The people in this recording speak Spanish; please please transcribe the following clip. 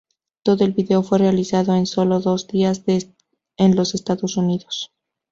Todo el vídeo fue realizado en sólo dos días en los Estados Unidos.